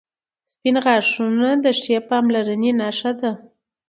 • سپین غاښونه د ښې پاملرنې نښه ده.